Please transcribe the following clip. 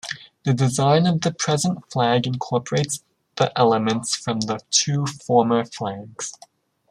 The design of the present flag incorporates the elements from the two former flags.